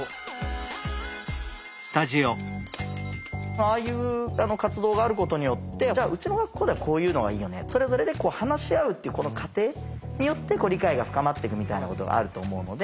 ああいう活動があることによってじゃあうちの学校ではこういうのがいいよねそれぞれで話し合うっていうこの過程によって理解が深まっていくみたいなことがあると思うので。